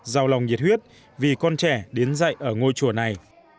giàu lòng nhiệt huyết vì con trẻ đến dạy ở ngôi chùa này